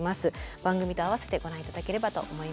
番組と併せてご覧頂ければと思います。